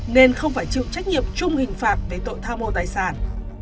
nên không phải chịu trách nhiệm chung hình phạt với tội tha mô tài sản